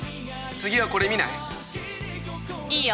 次はこれ見ない？